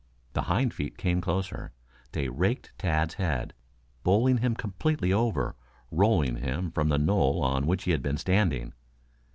The hind feet came closer. They raked Tad's head, bowling him completely over, rolling him from the knoll on which he had been standing.